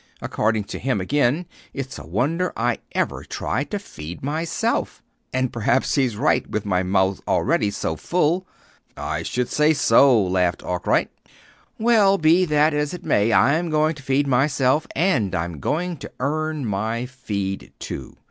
According to him again, it's a wonder I ever tried to feed myself; and perhaps he's right with my mouth already so full." "I should say so," laughed Arkwright. "Well, be that as it may. I'm going to feed myself, and I'm going to earn my feed, too.